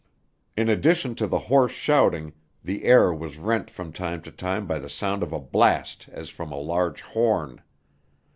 In addition to the hoarse shouting, the air was rent from time to time by the sound of a blast as from a large horn.